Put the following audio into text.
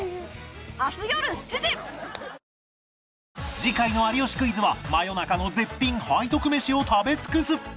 次回の『有吉クイズ』は真夜中の絶品背徳メシを食べ尽くす！